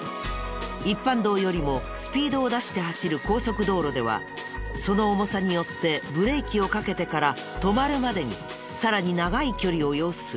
一般道よりもスピードを出して走る高速道路ではその重さによってブレーキをかけてから止まるまでにさらに長い距離を要する。